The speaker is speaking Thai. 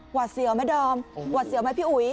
เสียวไหมดอมหวัดเสียวไหมพี่อุ๋ย